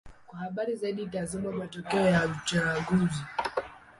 Kwa habari zaidi: tazama matokeo ya uchaguzi.